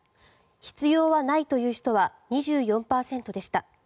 必要はないという人は２４％でした。